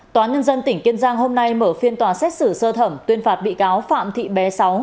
tòa nhân dân tỉnh kiên giang hôm nay mở phiên tòa xét xử sơ thẩm tuyên phạt bị cáo phạm thị bé sáu